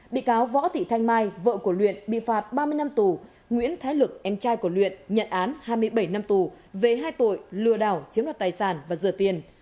bị cáo võ thị thanh mai vợ của luyện bị phạt ba mươi năm tù nguyễn thái lực em trai của luyện nhận án hai mươi bảy năm tù về hai tội lừa đảo chiếm đoạt tài sản và rửa tiền